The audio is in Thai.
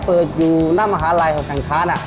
เปิดอยู่หน้ามหาลัยของทางค้าน่ะ